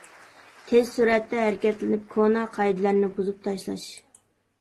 تېز سۈرئەتتە ھەرىكەتلىنىپ، كونا قائىدىلەرنى بۇزۇپ تاشلاش.